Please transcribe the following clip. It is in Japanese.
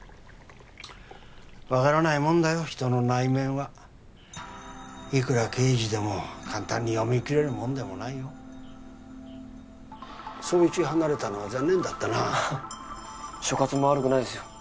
分からないもんだよ人の内面はいくら刑事でも簡単に読み切れるもんでもないよ捜一離れたのは残念だったな所轄も悪くないですよ